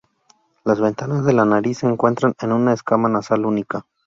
Las ventanas de la nariz se encuentran en una escama nasal única.